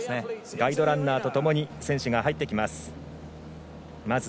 ガイドランナーとともに選手が入ってきます。